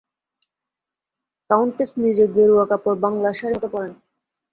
Countess নিজে গেরুয়া কাপড় বাঙলার শাড়ীর মত পরেন।